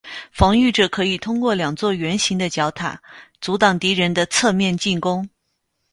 防御者可以通过两座圆形的角塔阻挡敌人的侧面进攻。